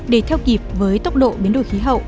để theo kịp với tốc độ biến đổi khí hậu